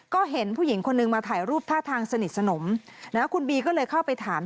ก็เห็นผู้หญิงคนนึงมาถ่ายรูปท่าทางสนิทสนมคุณบีก็เลยเข้าไปถาม